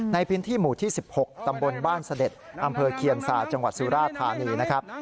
ในพินที่หมู่ที่๑๖ตบบ้านสเด็ดอเคียนซาจังหวัดสุราธารณีนะครับ